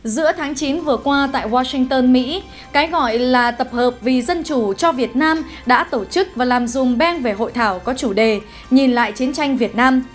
giữa tháng chín vừa qua tại washington mỹ cái gọi là tập hợp vì dân chủ cho việt nam đã tổ chức và làm dung bang về hội thảo có chủ đề nhìn lại chiến tranh việt nam